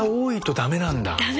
駄目なんだ。